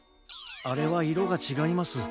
あれはいろがちがいます。